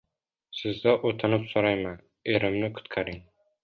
– Sizdan oʻtinib soʻrayman, erimni qutqaring.